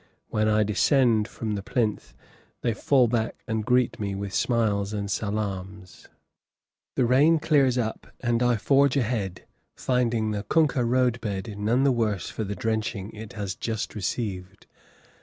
When I descend from the plinth they fall back and greet me with smiles and salaams. The rain clears up and I forge ahead, finding the kunkah road bed none the worse for the drenching it has just received.